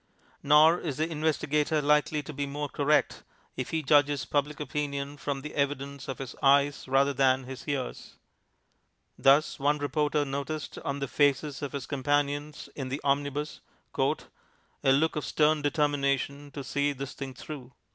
Nor is the investigator likely to be more correct if he judges Public Opinion from the evidence of his eyes rather than his ears. Thus one reporter noticed on the faces of his companions in the omnibus "a look of stern determination to see this thing through."